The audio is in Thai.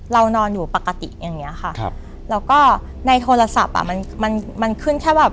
นอนอยู่ปกติอย่างเงี้ยค่ะครับแล้วก็ในโทรศัพท์อ่ะมันมันขึ้นแค่แบบ